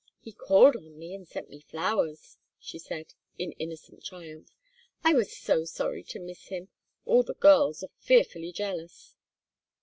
"He called on me and sent me flowers," she said, in innocent triumph. "I was so sorry to miss him. All the girls are fearfully jealous."